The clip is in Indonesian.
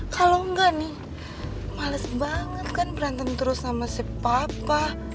kalau enggak nih males banget kan berantem terus sama si papa